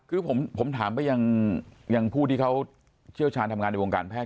คือผมถามไปยังผู้ที่เขาเชี่ยวชาญทำงานในวงการแพท